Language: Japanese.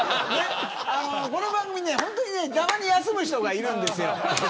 この番組、本当にたまに休む人がいるんですよ。